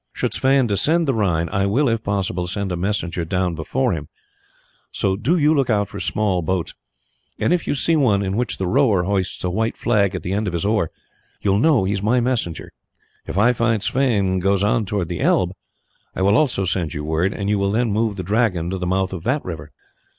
Should Sweyn descend the Rhine I will, if possible, send a messenger down before him, so do you look out for small boats; and if you see one in which the rower hoists a white flag at the end of his oar, you will know he is my messenger. If I find Sweyn goes on towards the Elbe I will also send you word, and you will then move the Dragon to the mouth of that river.